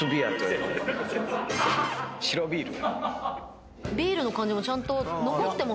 白ビール。